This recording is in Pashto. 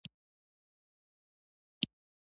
د دوه زره شپږم کال د سرشمیرنې له مخې یې نفوس زیات دی